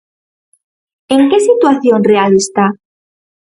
¿En que situación real está?